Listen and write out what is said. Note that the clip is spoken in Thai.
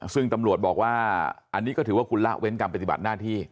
ซึ่งตำรวจบอกว่าอันนี้ก็ถือว่าคุณละเว้นการปฏิบัติหน้าที่